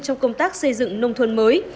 trong công tác xây dựng nông thôn mới